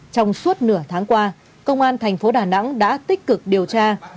trong suốt nửa tháng qua công an thành phố đà nẵng đã tích cực điều tra